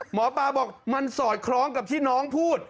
หมอปลาบอกมันสอดคล้องกับที่น้องพูด